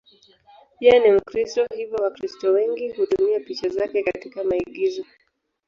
Yeye ni Mkristo, hivyo Wakristo wengi hutumia picha zake katika maigizo.